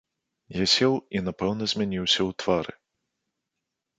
Я сеў, і, напэўна, змяніўся ў твары.